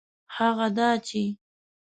هغه دا چي